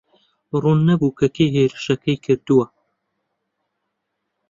ڕوون نەبوو کە کێ هێرشەکەی کردووە.